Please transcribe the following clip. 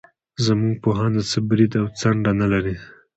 زموږ پوهنه څه برید او څنډه نه لري.